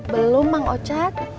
belum mang ocad